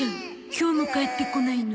今日も帰ってこないの？